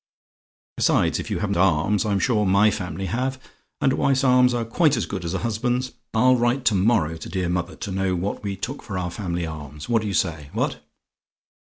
"Besides, if you haven't arms, I'm sure my family have, and a wife's arms are quite as good as a husband's. I'll write to morrow to dear mother, to know what we took for our family arms. What do you say? What?